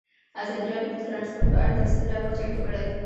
ازادي راډیو د ترانسپورټ په اړه تفصیلي راپور چمتو کړی.